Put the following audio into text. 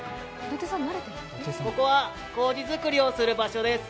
ここは、こうじ造りをする場所です